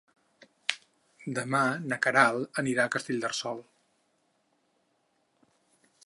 Demà na Queralt anirà a Castellterçol.